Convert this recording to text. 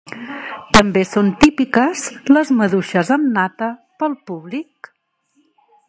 També són típiques les maduixes amb nata pel públic.